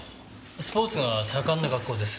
スポーツが盛んな学校です。